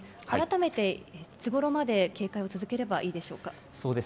改めていつごろまで警戒を続ければいいでしょうか。